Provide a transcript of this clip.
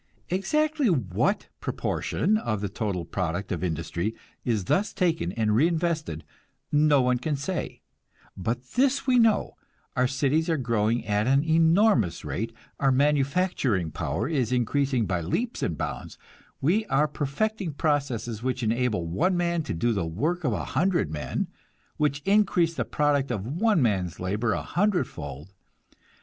Exactly what proportion of the total product of industry is thus taken and reinvested no one can say; but this we know, our cities are growing at an enormous rate, our manufacturing power is increasing by leaps and bounds, we are perfecting processes which enable one man to do the work of a hundred men, which increase the product of one man's labor a hundredfold.